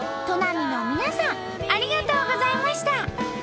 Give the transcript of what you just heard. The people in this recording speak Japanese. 砺波の皆さんありがとうございました。